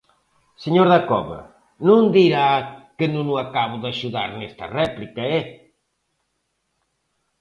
Señor Dacova, non dirá que non o acabo de axudar nesta réplica, ¡eh!